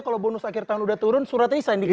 kalau bonus akhir tahun udah turun surat nisan dikira